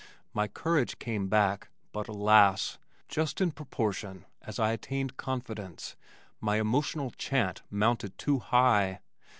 My courage came back, but alas! just in proportion as I attained confidence my emotional chant mounted too high!